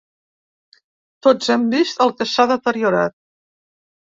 Tots hem vist el que s’ha deteriorat.